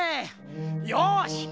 よし！